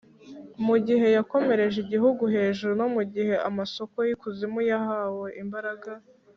mu gihe yakomereje ijuru hejuru, no mu gihe amasōko y’ikuzimu yahawe imbaraga,